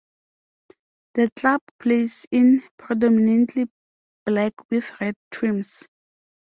The club plays in predominantly black with red trims.